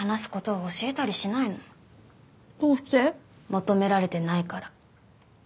求められてないから。